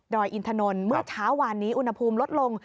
ด่อยอินทรนด์เมื่อเช้าวันนี้อุณหภูมิลดลง